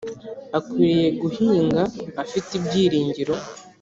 akwiriye guhinga afite ibyiringiro